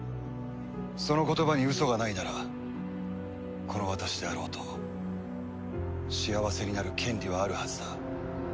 その言葉にウソがないならこの私であろうと幸せになる権利はあるはずだ。